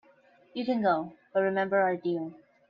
You can go, but remember our deal.